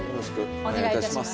お願いいたします。